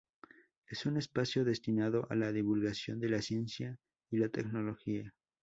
Es un espacio destinado a la divulgación de la ciencia y la tecnología.